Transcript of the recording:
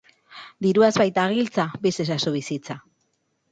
dirua ez baita giltza, bizi ezazu bizitza